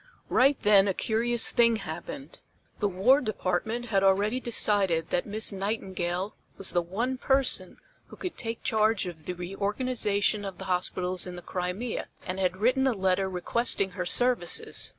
Right then a curious thing happened. The War Department had already decided that Miss Nightingale was the one person who could take charge of the reorganization of the hospitals in the Crimea, and had written a letter requesting her services.